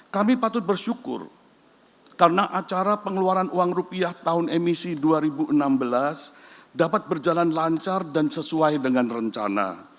kami patut bersyukur karena acara pengeluaran uang rupiah tahun emisi dua ribu enam belas dapat berjalan lancar dan sesuai dengan rencana